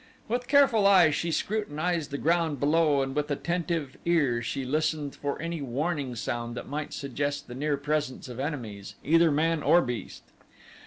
With careful eye she scrutinized the ground below and with attentive ear she listened for any warning sound that might suggest the near presence of enemies, either man or beast.